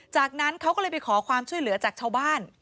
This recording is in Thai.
จากนั้นเขาก็เลยไปขอความช่วยเหลือจากชาวบ้าน